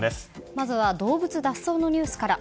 まずは動物脱走のニュースから。